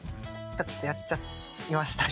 ちょっとやっちゃいましたね。